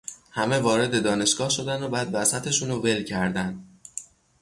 همه وارد دانشگاه شدن و بعد وسطش اونو ول کردن.